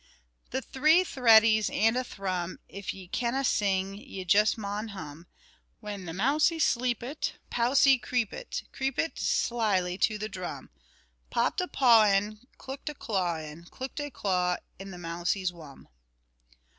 The three threadies and a thrum, If ye canna sing, ye just maun hum;[6 (2)] When the mousie sleepit, Pousie creepit, Creepit slily to the drum; Popped a paw in, Clook't a claw in, Clook't a claw in the mousie's wum.